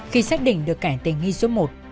khi xác định được kẻ tình nghi số một